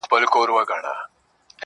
o د نورو د ستم په گيلاسونو کي ورک نه يم.